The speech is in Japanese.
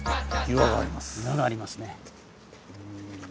岩がありますね。